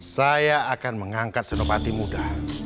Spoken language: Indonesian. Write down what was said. saya akan mengangkat sinovati muda